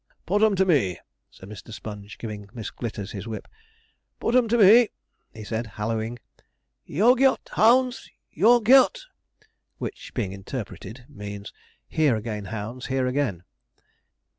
'Put 'em to me,' said Mr. Sponge, giving Miss Glitters his whip; 'put 'em to me!' said he, hallooing, 'Yor geot, hounds! yor geot!' which, being interpreted, means, 'here again, hounds! here again!'